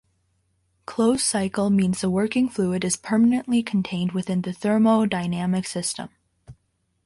"Closed cycle" means the working fluid is permanently contained within the thermodynamic system.